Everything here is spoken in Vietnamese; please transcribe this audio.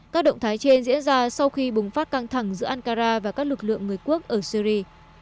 các động thái trên diễn ra sau khi bùng phát căng thẳng giữa ankara và các lực lượng người quốc ở syri